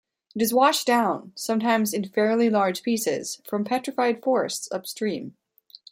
It is washed down, sometimes in fairly large pieces, from 'petrified forests' upstream.